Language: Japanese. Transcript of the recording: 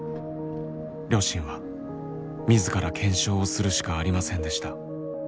両親は自ら検証をするしかありませんでした。